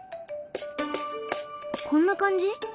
こんな感じ？